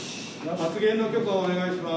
発言の許可をお願いします。